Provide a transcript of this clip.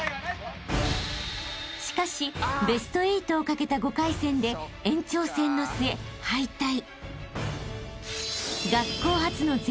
［しかしベスト８をかけた５回戦で延長戦の末敗退］